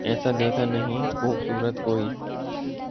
ایسا دیکھا نہیں خوبصورت کوئی